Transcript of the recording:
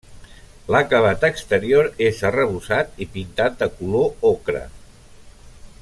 L'acabat exterior és arrebossat i pintat de color ocre.